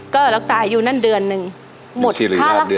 ก็รักษาอยู่นั่นเดือนนึงหมดค่ารักษาไปเท่าไหร่อะค่ะ